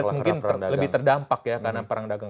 mungkin lebih terdampak ya karena perang dagang